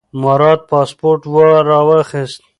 مراد پاسپورت راواخیست.